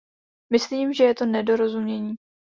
Myslím, že je to nedorozumění.